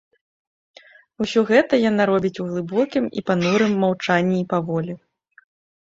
Усё гэта яна робіць у глыбокім і панурым маўчанні і паволі.